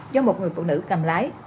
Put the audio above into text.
do một người phụ nữ cầm lái